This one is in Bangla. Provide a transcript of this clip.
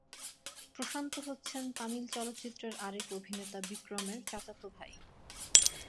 প্রশান্ত হচ্ছেন তামিল চলচ্চিত্রের আরেক অভিনেতা বিক্রমের চাচাত ভাই।